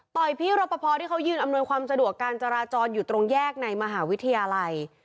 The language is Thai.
พี่รปภที่เขายืนอำนวยความสะดวกการจราจรอยู่ตรงแยกในมหาวิทยาลัย